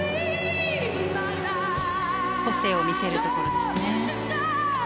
個性を見せるところですね。